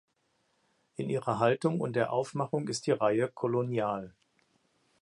In ihrer Haltung und der Aufmachung ist die Reihe kolonial.